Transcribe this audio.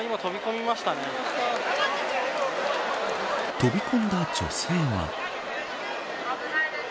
飛び込んだ女性は。